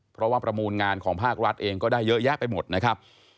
เพราะว่าประมูลงานของภาครัฐเองก็ได้เยอะแยะไปหมดนะครับ